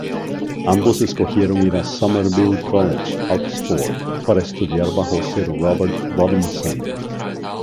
Ambos escogieron ir a Somerville College, Oxford, para estudiar bajo Sir Robert Robinson.